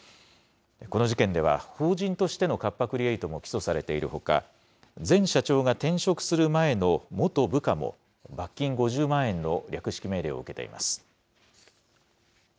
この事件では、法人としてのカッパ・クリエイトも起訴されているほか、前社長が転職する前の元部下も罰金５０万円の略式命令を受けています。